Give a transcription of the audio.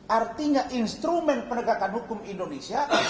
artinya instrumen penegakan hukum indonesia